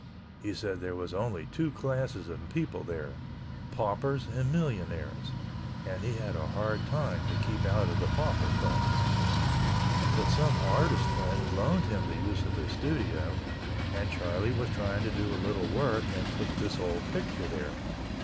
He said there was only two classes of people there: paupers and millionaires, and he had a hard time to keep out of the pauper class. But some artist friend loaned him the use of his studio and Charlie was trying to do a little work and took this old picture there.